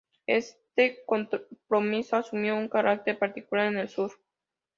Este compromiso asumió un carácter particular en el Sur.